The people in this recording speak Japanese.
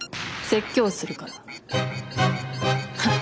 説教するからフン」。